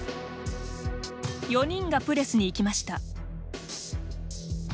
４人がプレスに行きました。